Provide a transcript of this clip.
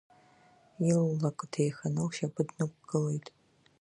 Илулуак деиханы лшьапы днықәглеит.